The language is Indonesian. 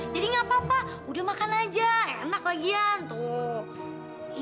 jadi gapapa udah makan aja enak lagian tuh